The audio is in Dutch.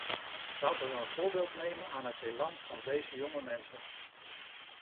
Laten we een voorbeeld nemen aan het elan van deze jonge mensen.